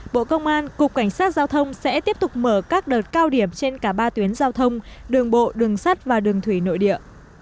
bộ công an cục cảnh sát giao thông sẽ tiếp tục mở các đợt cao điểm trên cả ba tuyến giao thông đường bộ đường sắt và đường thủy nội địa